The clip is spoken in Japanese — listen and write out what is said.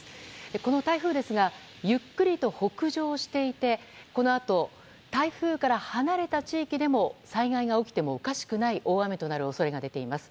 この台風ですがゆっくりと北上していてこのあと台風から離れた地域でも災害が起きてもおかしくない大雨となる恐れが出ています。